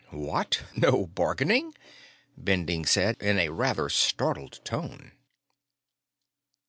"What, no bargaining?" Bending said, in a rather startled tone.